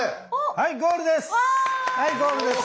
はいゴールです。